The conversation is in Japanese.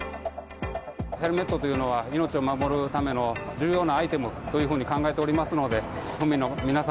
ヘルメットというのは、命を守るための重要なアイテムというふうに考えておりますので、都民の皆様